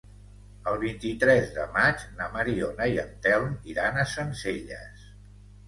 El vint-i-tres de maig na Mariona i en Telm iran a Sencelles.